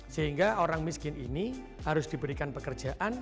sehingga orang miskin ini harus diberikan pekerjaan